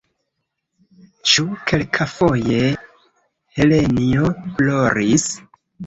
Ĉu kelkafoje Helenjo ploris?